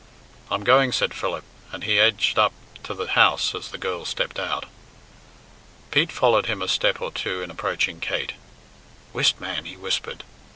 "I'm going!" said Philip, and he edged up to the house as the girl stepped out. Pete followed him a step or two in approaching Kate. "Whist, man!" he whispered.